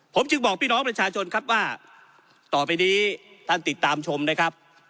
ผมจึงบอกพี่น้องประชาชนครับว่าต่อไปนี้ท่านติดตามชมนะครับ